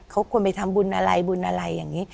เขาควรไปทำบุญอะไรบุญอะไรอย่างนี้